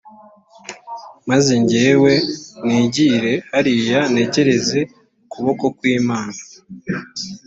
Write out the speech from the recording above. maze jyewe nigire hariya ntegereze ukuboko kw’imana